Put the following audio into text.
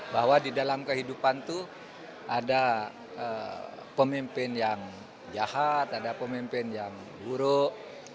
bahwa di dalam kehidupan itu ada pemimpin yang jahat ada pemimpin yang buruk